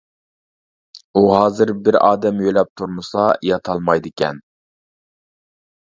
ئۇ ھازىر بىر ئادەم يۆلەپ تۇرمىسا ياتالمايدىكەن.